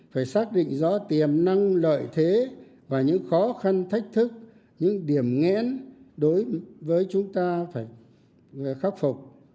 phải xác định rõ tiềm năng lợi thế và những khó khăn thách thức những điểm nghẽn đối với chúng ta phải khắc phục